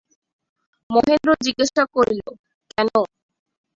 মহেন্দ্র জিজ্ঞাসা করিল, কেন।